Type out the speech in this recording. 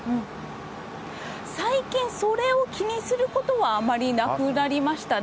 最近、それを気にすることはあまりなくなりましたね。